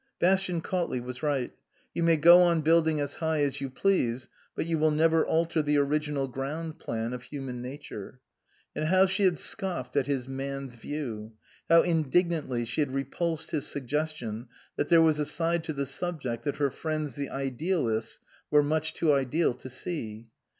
Bastian Cautley was right. You may go on building as high as you please, but you will never alter the original ground plan of human nature. And how she had scoffed at his " man's view "; how indignantly she had repulsed his suggestion that there was a side to the subject that her friends the idealists were much too ideal to see.